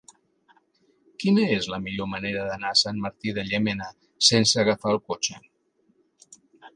Quina és la millor manera d'anar a Sant Martí de Llémena sense agafar el cotxe?